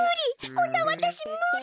こんなわたしむり！